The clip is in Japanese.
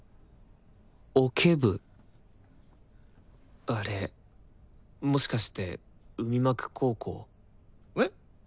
オケ部あれもしかして海幕高校？えっ？